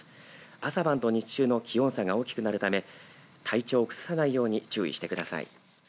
朝晩と日中の気温差が大きくなるため体調を崩さないように注意してください。